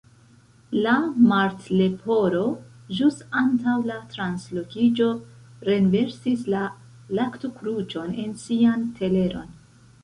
La Martleporo ĵus antaŭ la translokiĝo renversis la laktokruĉon en sian teleron